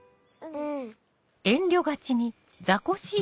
うん。